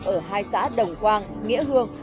ở hai xã đồng quang nghĩa hương